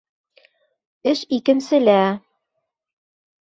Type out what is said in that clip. Эш икенселә...